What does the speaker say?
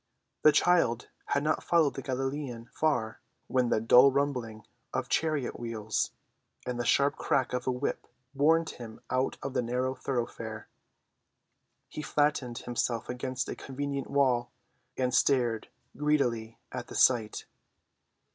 The child had not followed the Galilean far when the dull rumbling of chariot‐wheels and the sharp crack of a whip warned him out of the narrow thoroughfare. He flattened himself against a convenient wall and stared greedily at the sight.